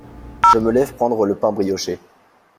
Je me lève prendre le pain brioché.